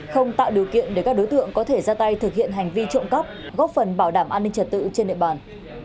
không tạo điều kiện để các đối tượng có thể ra tay thực hiện hành vi trộm cắp góp phần bảo đảm an ninh trật tự trên địa bàn